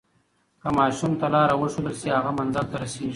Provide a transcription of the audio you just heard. که ماشوم ته لاره وښودل شي، هغه منزل ته رسیږي.